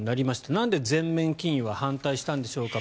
なんで全面禁輸は反対したのでしょうか。